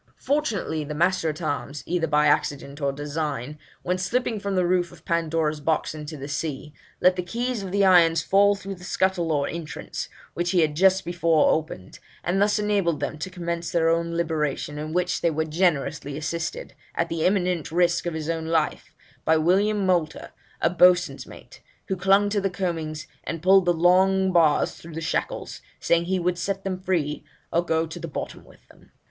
Fortunately the master at arms, either by accident or design, when slipping from the roof of "Pandora's Box" into the sea, let the keys of the irons fall through the scuttle or entrance, which he had just before opened, and thus enabled them to commence their own liberation, in which they were generously assisted, at the imminent risk of his own life, by William Moulter, a boatswain's mate, who clung to the coamings, and pulled the long bars through the shackles, saying he would set them free, or go to the bottom with them.